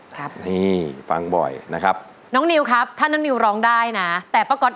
ก็ละครับเพลงนี้ออกทั้งใต้หน่อย